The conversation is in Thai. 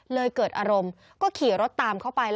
เกิดอารมณ์ก็ขี่รถตามเข้าไป